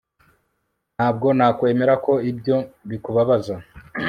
ntabwo nakwemera ko ibyo bikubabaza